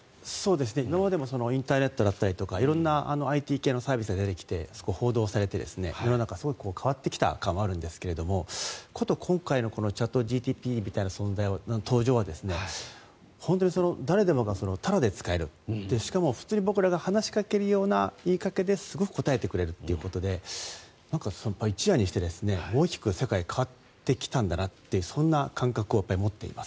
今までもインターネットだったりとか色んなＩＴ系のサービスが出てきて報道されて世の中、すごく変わってきた感はあるんですがこと、今回のチャットＧＰＴみたいな存在は本当に誰もがタダで使えるしかも普通に僕らが話しかけるような問いかけで普通に答えてくれるということで一夜にして大きく世界が変わってきたんだなとそんな感覚を持っています。